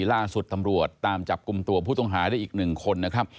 ล่าสุดตำรวจตามจับกลุ่มตัวผู้ต้องหาได้อีก๑คนนะครับ